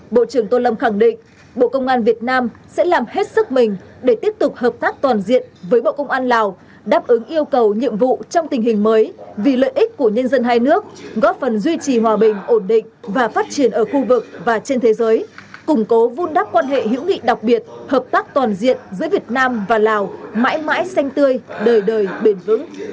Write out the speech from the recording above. bộ trưởng tôn lâm khẳng định bộ công an việt nam sẽ làm hết sức mình để tiếp tục hợp tác toàn diện với bộ công an lào đáp ứng yêu cầu nhiệm vụ trong tình hình mới vì lợi ích của nhân dân hai nước góp phần duy trì hòa bình ổn định và phát triển ở khu vực và trên thế giới củng cố vun đắp quan hệ hữu nghị đặc biệt hợp tác toàn diện giữa việt nam và lào mãi mãi xanh tươi đời đời bền vững